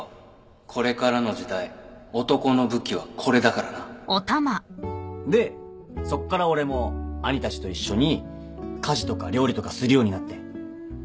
これからの時代男の武器はこれだからなでそっから俺も兄たちと一緒に家事とか料理とかするようになって。